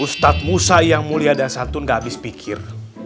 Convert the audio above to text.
ustadz musa yang mulia dan santun gak habis pikir